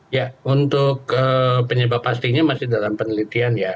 ya untuk penyebab pastinya masih dalam penelitian ya